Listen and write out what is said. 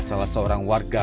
salah seorang warga